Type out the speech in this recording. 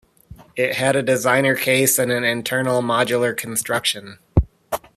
It had a designer case and an internal modular construction.